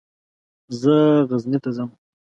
زه غزني ته ځم.